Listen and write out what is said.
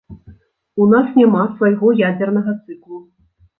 У нас няма свайго ядзернага цыклу.